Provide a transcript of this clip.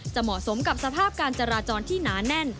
เหมาะสมกับสภาพการจราจรที่หนาแน่น